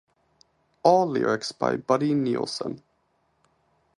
All lyrics by Buddy Nielsen.